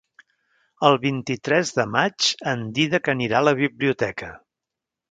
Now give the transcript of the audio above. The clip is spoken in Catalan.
El vint-i-tres de maig en Dídac anirà a la biblioteca.